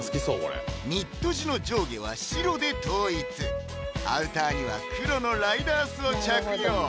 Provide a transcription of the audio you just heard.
ニット地の上下は白で統一アウターには黒のライダースを着用！